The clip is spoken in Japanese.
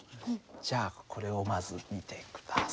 じゃあこれをまず見て下さい。